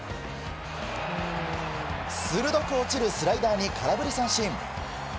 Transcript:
鋭く落ちるスライダーに空振り三振。